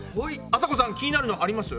あさこさん気になるのあります？